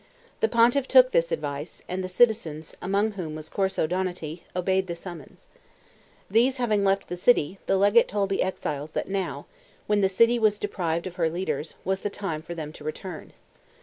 The pontiff took this advice, and the citizens, among whom was Corso Donati, obeyed the summons. These having left the city, the legate told the exiles that now, when the city was deprived of her leaders, was the time for them to return.